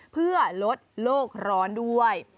เพื่อลดโลกร้อนด้วย